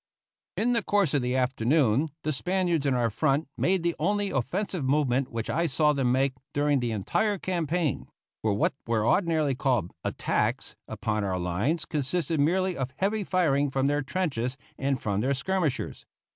In the course of the afternoon the Spaniards in our front made the only offensive movement which I saw them make during the entire campaign; for what were ordinarily called "attacks" upon our lines consisted merely of heavy firing from their trenches and from their skirmishers.